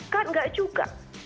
kan tidak juga